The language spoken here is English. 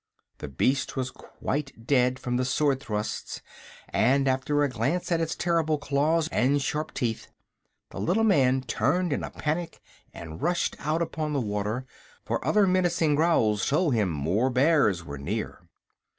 The beast was quite dead from the sword thrusts, and after a glance at its terrible claws and sharp teeth the little man turned in a panic and rushed out upon the water, for other menacing growls told him more bears were near.